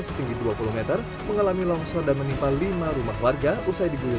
setinggi dua puluh meter mengalami longsor dan menimpa lima rumah warga usai diguyur